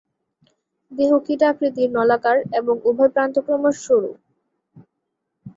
দেহ কীট আকৃতির, নলাকার এবং উভয় প্রান্ত ক্রমশ সরু।